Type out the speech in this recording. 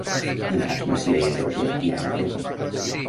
Dimarts na Cira i en Roger iran a Pego.